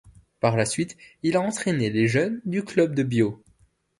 Par la suite, il a entraîné les jeunes du club de Biot.